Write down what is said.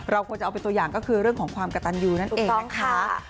ควรจะเอาเป็นตัวอย่างก็คือเรื่องของความกระตันยูนั่นเองนะคะ